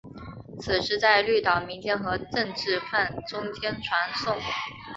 此事在绿岛民间和政治犯中间传诵。